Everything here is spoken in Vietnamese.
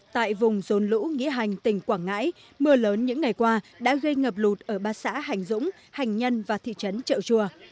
tại vùng rốn lũ nghĩa hành tỉnh quảng ngãi mưa lớn những ngày qua đã gây ngập lụt ở ba xã hành dũng hành nhân và thị trấn trợ chùa